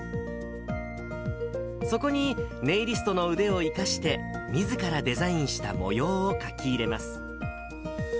そこにネイリストの腕を生かして、みずからデザインした模様を描き入れます。